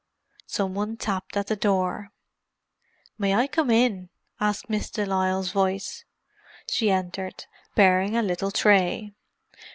Some one tapped at the door. "May I come in?" asked Miss de Lisle's voice. She entered, bearing a little tray.